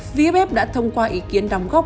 vff đã thông qua ý kiến đóng góp